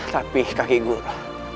tapi kaki guru